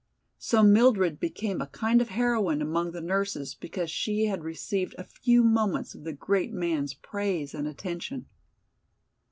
So Mildred became a kind of heroine among the nurses because she had received a few moments of the great man's praise and attention.